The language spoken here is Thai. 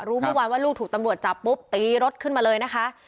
เมื่อวานว่าลูกถูกตำรวจจับปุ๊บตีรถขึ้นมาเลยนะคะ